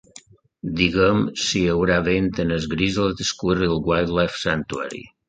Digue'm si hi haurà vent al Grizzled Squirrel Wildlife Sanctuary...